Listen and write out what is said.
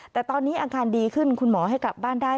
แต่ตอนนี้อาการดีขึ้นคุณหมอให้กลับบ้านได้